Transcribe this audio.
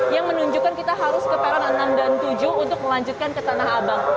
yang menunjukkan kita harus ke peron enam dan tujuh untuk melanjutkan ke tanah abang